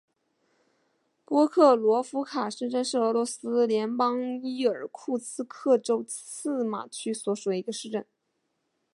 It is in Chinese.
波克罗夫卡市镇是俄罗斯联邦伊尔库茨克州济马区所属的一个市镇。